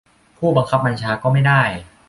ผู้บังคับบัญชาก็ไม่ได้